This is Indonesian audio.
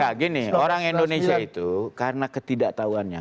ya gini orang indonesia itu karena ketidaktahuannya